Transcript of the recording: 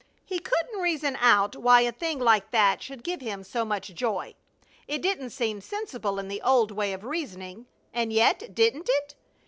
He couldn't reason out why a thing like that should give him so much joy. It didn't seem sensible in the old way of reasoning and yet, didn't it?